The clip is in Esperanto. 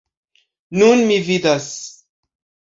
Nun mi vidas.